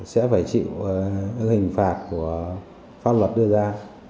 sẽ phải chịu hình phạt của pháp luật đưa ra